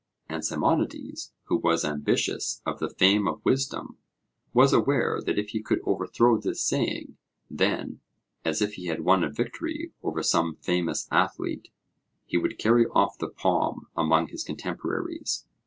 And Simonides, who was ambitious of the fame of wisdom, was aware that if he could overthrow this saying, then, as if he had won a victory over some famous athlete, he would carry off the palm among his contemporaries.